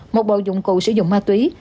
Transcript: một bộ dụng cụ sử dụng ma túy